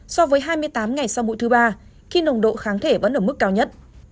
so với hai mươi tám ngày sau mũi thứ ba khi nồng độ kháng thể vẫn ở mức cao nhất